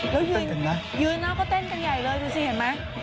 แล้วยืนแล้วก็เต้นกันใหญ่เลยดูสิเห็นไหม